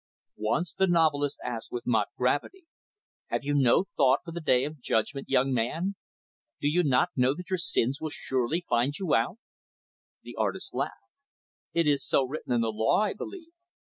Once, the novelist asked with mock gravity, "Have you no thought for the day of judgment, young man? Do you not know that your sins will surely find you out?" The artist laughed. "It is so written in the law, I believe."